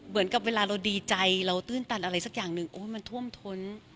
เหมือนกับเวลาเราดีใจเราตื้นตันอะไรสักอย่างหนึ่งโอ้ยมันท่วมท้น